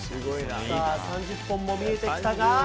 さあ、３０本も見えてきたが。